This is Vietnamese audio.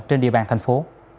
trên địa bàn thành phố